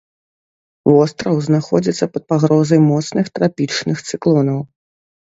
Востраў знаходзіцца пад пагрозай моцных трапічных цыклонаў.